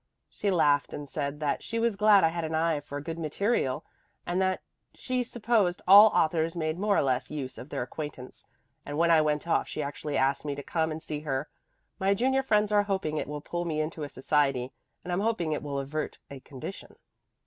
She laughed and said that she was glad I had an eye for good material and that she supposed all authors made more or less use of their acquaintance, and when I went off she actually asked me to come and see her. My junior friends are hoping it will pull me into a society and I'm hoping it will avert a condition."